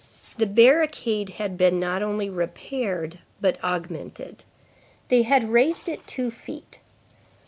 The barricade had been not only repaired, but augmented. They had raised it two feet.